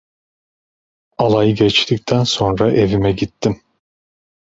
Alay geçtikten sonra evime gittim.